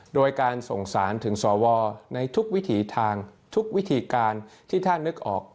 โดยการส่งสารถึงสวในทุกวิถีทางทุกวิธีการที่ท่านนึกออก